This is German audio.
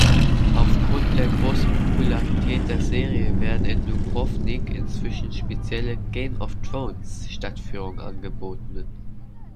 Aufgrund der großen Popularität der Serie werden in Dubrovnik inzwischen spezielle "Game-of-Thrones"-Stadtführungen angeboten.